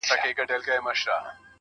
• اوس مي لا په هر رگ كي خـوره نـــه ده.